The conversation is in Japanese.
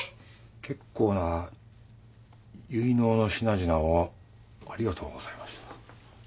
結構な結納の品々をありがとうございました。